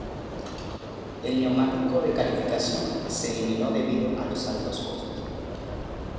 El neumático de calificación se eliminó debido a los altos costes.